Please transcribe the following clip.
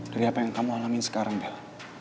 dari apa yang kamu alamin sekarang